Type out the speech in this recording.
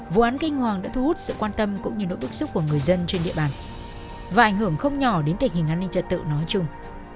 vụ án kinh hoàng đã thu hút sự quan tâm cũng như nỗi bức xúc của người dân trên địa bàn và ảnh hưởng không nhỏ đến tình hình an ninh trật tự nói chung